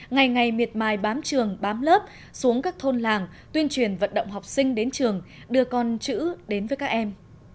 ngày ngày miệt mài bám trường bám lớp xuống các thôn làng tuyên truyền vận động học sinh đến trường đưa con chữ đến với các em